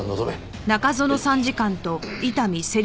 はい。